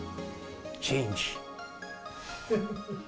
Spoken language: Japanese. チェンジ。